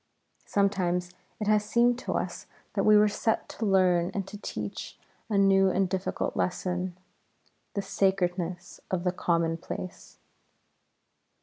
Sometimes it has seemed to us that we were set to learn and to teach a new and difficult lesson, the sacredness of the commonplace.